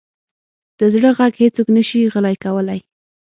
د زړه ږغ هیڅوک نه شي غلی کولی.